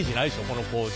この工場。